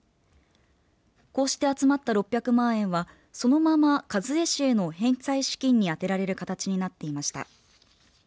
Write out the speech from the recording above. こうして集まった６００万円はそのまま一衛氏への返済資金に充てられる形になっていました。